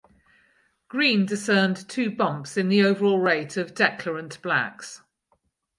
Green discerned two bumps in the overall rate of declarant blacks.